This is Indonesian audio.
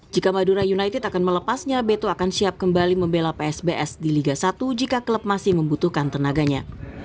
jika madura united akan melepasnya beto akan siap kembali membela psbs di liga satu jika klub masih membutuhkan tenaganya